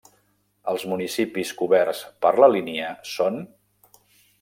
Els municipis coberts per la línia són: